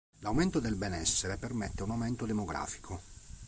L'aumento del benessere permette un aumento demografico.